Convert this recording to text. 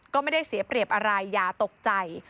ก็ไม่ได้เสียเปรียบอะไรอย่าตกใจ